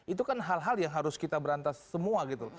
itu kan hal hal yang harus kita berantas semua gitu